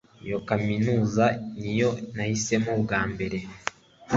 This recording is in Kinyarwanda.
Iyo kaminuza niyo nahisemo bwa mbere